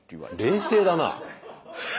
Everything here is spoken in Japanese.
冷静だな。